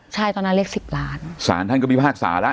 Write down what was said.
ใช่ตอนนั้นเรียกสิบล้านสารท่านก็พิพากษาแล้ว